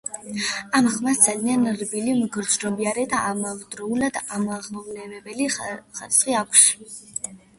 ამ ხმას ძალიან რბილი, მგრძნობიარე და ამავდროულად ამაღელვებელი ხარისხი აქვს.